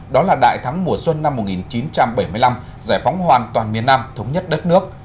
đó là đại thắng mùa xuân năm một nghìn chín trăm bảy mươi năm giải phóng hoàn toàn miền nam thống nhất đất nước